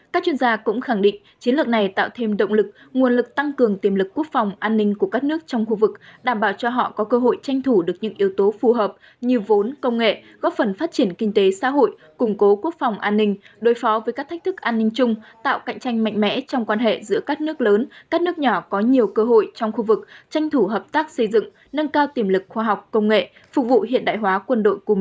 các chuyên gia cũng khẳng định chiến lược này tạo thêm động lực nguồn lực tăng cường tiềm lực quốc phòng an ninh của các nước trong khu vực đảm bảo cho họ có cơ hội tranh thủ được những yếu tố phù hợp như vốn công nghệ góp phần phát triển kinh tế xã hội củng cố quốc phòng an ninh đối phó với các thách thức an ninh chung tạo cạnh tranh mạnh mẽ trong quan hệ giữa các nước lớn các nước nhỏ có nhiều cơ hội trong khu vực tranh thủ hợp tác xây dựng nâng cao tiềm lực khoa học công nghệ phục vụ hiện đại hóa qu